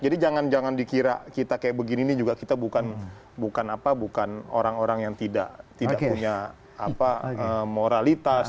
jadi jangan jangan dikira kita kayak begini nih juga kita bukan orang orang yang tidak punya moralitas